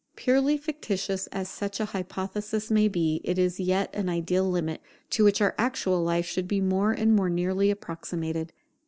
Purely fictitious as such an hypothesis may be, it is yet an ideal limit, to which our actual life should be more and more nearly approximated.